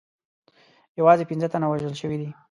یوازې پنځه تنه وژل سوي.